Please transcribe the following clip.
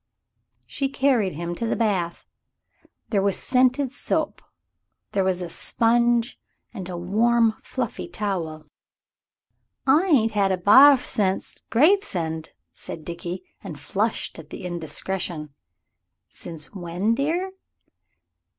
She carried him to the bath. There was scented soap, there was a sponge, and a warm, fluffy towel. "I ain't had a barf since Gravesend," said Dickie, and flushed at the indiscretion. "Since when, dear?"